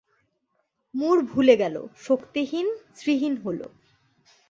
মূর ভুলে গেল, শক্তিহীন শ্রীহীন হল।